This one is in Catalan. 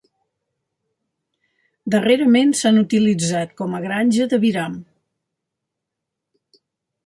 Darrerament s'ha utilitzat com a granja d'aviram.